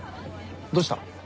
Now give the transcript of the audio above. どうした？